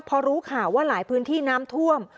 พอรู้ข่าวว่าหลายพื้นที่น้ำท่วม